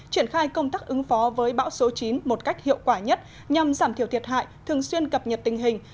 triển khai công tác ứng phó với bão số chín một cách hiệu quả nhất nhằm giảm thiểu thiệt hại thường xuyên cập nhật tình hình